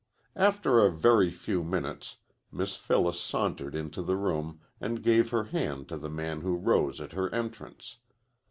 After a very few minutes Miss Phyllis sauntered into the room and gave her hand to the man who rose at her entrance.